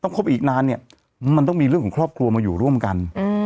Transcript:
คบอีกนานเนี่ยมันต้องมีเรื่องของครอบครัวมาอยู่ร่วมกัน